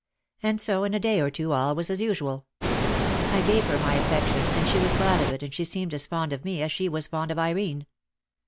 And so in a day or two all was as usual. I gave her my affection and she was glad of it and she seemed as fond of me as she was fond of Irene.